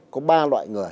có ba loại người